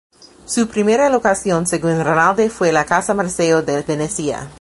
Su primera locación según Rinaldi fue la "Casa Marcello" de Venecia.